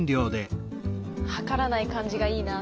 量らない感じがいいな。